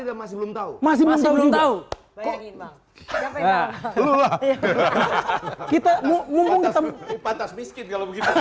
kita masih belum tahu masih masih belum tahu bayangin bang ya kita mau ngomong